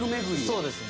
そうですね。